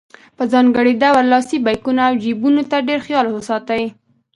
په ځانګړي ډول لاسي بیکونو او جیبونو ته ډېر خیال وساتئ.